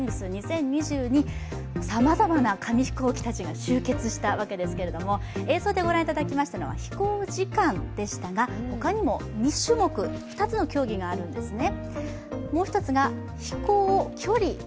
さまざまな紙飛行機たちが集結したわけですが、映像でご覧いただきましたのは飛行時間でしたが、他にも２つの競技があるんですね。